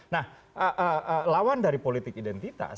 nah lawan dari politik identitas